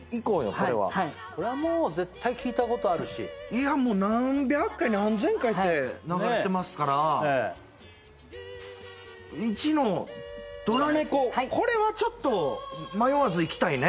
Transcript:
これははいはいこれはもう絶対聞いたことあるしもう何百回何千回って流れてますから１のどら猫これはちょっと迷わずいきたいね